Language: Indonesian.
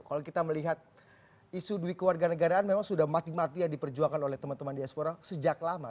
kalau kita melihat isu duit keluarga negaraan memang sudah mati matian diperjuangkan oleh teman teman diaspora sejak lama